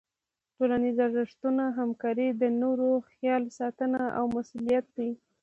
ټولنیز ارزښتونه همکاري، د نورو خیال ساتنه او مسؤلیت دي.